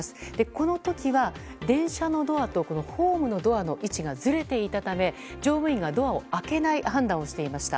この時は、電車のドアとホームのドアの位置がずれていたため乗務員がドアを開けない判断をしていました。